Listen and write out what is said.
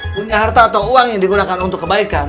punya harta atau uang yang digunakan untuk kebaikan